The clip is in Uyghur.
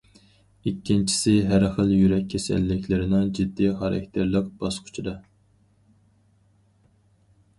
ئىككىنچىسى، ھەر خىل يۈرەك كېسەللىكلىرىنىڭ جىددىي خاراكتېرلىك باسقۇچىدا.